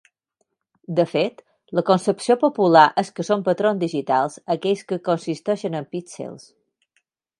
De fet, la concepció popular és que són patrons digitals aquells que consisteixen en píxels.